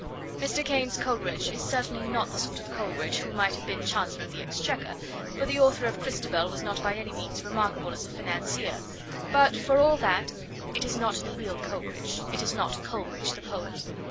Mr. Caine's Coleridge is certainly not the sort of Coleridge who might have been Chancellor of the Exchequer, for the author of Christabel was not by any means remarkable as a financier; but, for all that, it is not the real Coleridge, it is not Coleridge the poet.